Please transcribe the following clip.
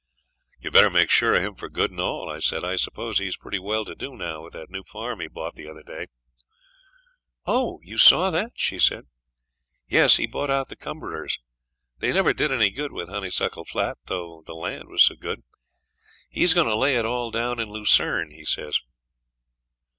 'You'd better make sure of him for good and all,' I said. 'I suppose he's pretty well to do now with that new farm he bought the other day.' 'Oh! you saw that,' she said. 'Yes; he bought out the Cumberers. They never did any good with Honeysuckle Flat, though the land was so good. He's going to lay it all down in lucerne, he says.'